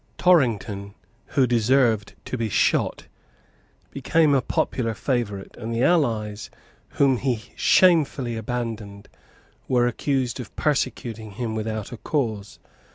Torrington, who deserved to be shot, became a popular favourite; and the allies whom he had shamefully abandoned were accused of persecuting him without a cause.